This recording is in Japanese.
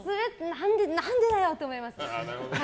何でだよ！って思います。